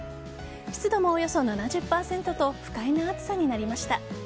湿度もおよそ７０％と不快な暑さになりました。